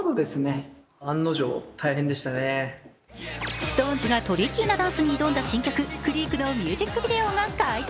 ＳｉｘＴＯＮＥＳがトリッキーなダンスに挑んだ新曲「ＣＲＥＡＫ」のミュージックビデオが解禁。